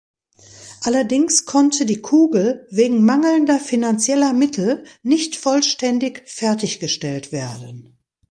Allerdings konnte die Kugel wegen mangelnder finanzieller Mittel nicht vollständig fertiggestellt werden.